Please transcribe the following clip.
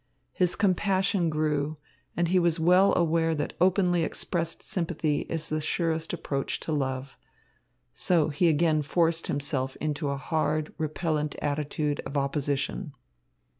His compassion grew; and he was well aware that openly expressed sympathy is the surest approach to love. So he again forced himself into a hard, repellent attitude of opposition.